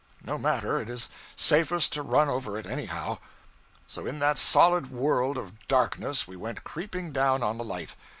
No matter, it is safest to run over it anyhow.' So, in that solid world of darkness we went creeping down on the light.